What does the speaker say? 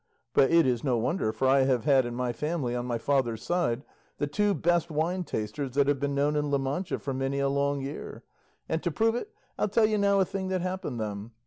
But it is no wonder, for I have had in my family, on my father's side, the two best wine tasters that have been known in La Mancha for many a long year, and to prove it I'll tell you now a thing that happened them.